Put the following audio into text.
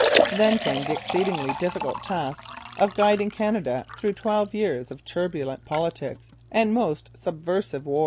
Then came the exceedingly difficult task of guiding Canada through twelve years of turbulent politics and most subversive war.